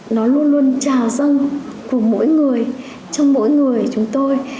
nó luôn luôn trào răng của mỗi người trong mỗi người chúng tôi